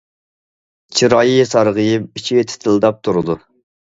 چىرايى سارغىيىپ، ئىچى تىتىلداپ تۇرىدۇ.